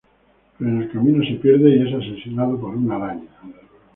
Pero en el camino se pierde y es asesinado por una araña.